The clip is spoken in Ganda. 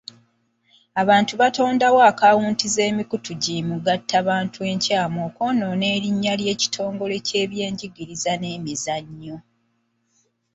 Abantu batondawo akawunta z'emikutu gi mugattabantu enkyamu okwonoona erinnya ly'ekitongole ky'ebyenjigiriza n'emizannyo.